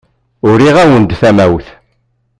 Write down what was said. Uriɣ-awen-d tamawt.